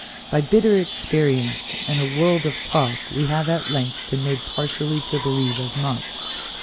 By bitter experience and a world of talk we have at length been made partially to believe as much.